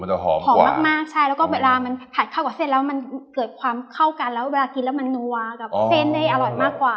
จะหอมหอมมากใช่แล้วก็เวลามันผัดเข้ากับเส้นแล้วมันเกิดความเข้ากันแล้วเวลากินแล้วมันนัวกับเส้นได้อร่อยมากกว่า